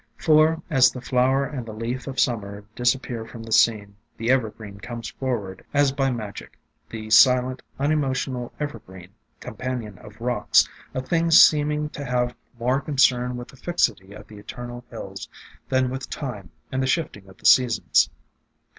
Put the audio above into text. For, as the flower and the leaf of Summer disap pear from the scene, the evergreen comes forward as by magic, — the silent, unemotional evergreen, companion of rocks, a thing seeming to have more concern with the fixity of "the eternal hills" than with time and the shifting of the seasons.